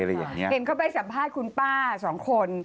เห็นเขาไปสัมภาษณ์คุณป้าสองคน